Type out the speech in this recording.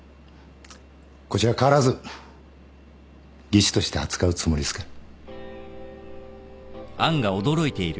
こちらは変わらず技師として扱うつもりですから。